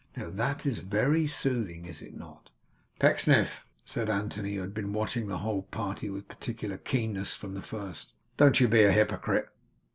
Now, that is very soothing, is it not?' 'Pecksniff,' said Anthony, who had been watching the whole party with peculiar keenness from the first 'don't you be a hypocrite.